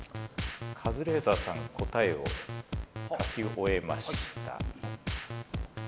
カズレーザーさん答えを書き終えました。